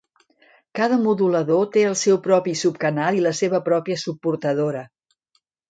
Cada modulador té el seu propi subcanal i la seva pròpia subportadora.